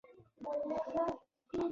ژبه هم یو هنر دي زده یی کړه.